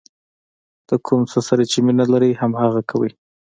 د کوم څه سره چې مینه لرئ هماغه کوئ.